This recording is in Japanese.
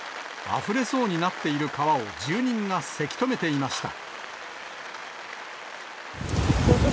あふれそうになっている川を住人がせき止めていました。